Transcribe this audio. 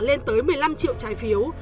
lên tới một mươi năm triệu trái phiếu